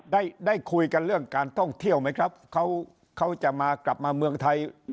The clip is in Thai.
ได้ได้คุยกันเรื่องการท่องเที่ยวไหมครับเขาเขาจะมากลับมาเมืองไทย